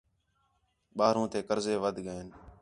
ٻاہروں تے قرضے وَدھ ڳئین